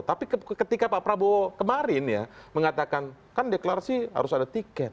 tapi ketika pak prabowo kemarin ya mengatakan kan deklarasi harus ada tiket